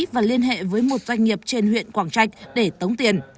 và liên hệ với một doanh nghiệp trên huyện quảng trạch để tống tiền